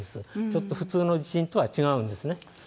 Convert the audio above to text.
ちょっと普通の地震とは違うんですね。